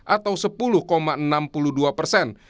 atau sepuluh enam puluh dua persen